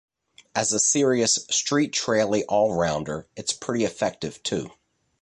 As a serious 'street trailie all-rounder' it's pretty effective too.